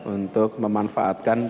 untuk memanfaatkan baju